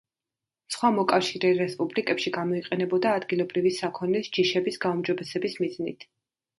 სხვა მოკავშირე რესპუბლიკებში გამოიყენებოდა ადგილობრივი საქონლის ჯიშების გაუმჯობესების მიზნით.